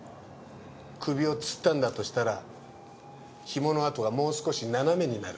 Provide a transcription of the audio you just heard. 首を吊ったんだとしたら紐の痕はもう少し斜めになる。